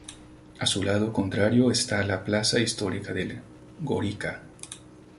A su lado contrario está la plaza histórica del "Gorica".